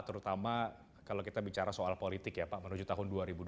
terutama kalau kita bicara soal politik ya pak menuju tahun dua ribu dua puluh